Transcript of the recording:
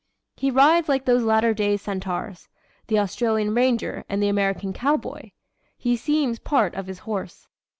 He rides like those latter day centaurs the Australian ranger and the American cowboy. He seems part of his horse."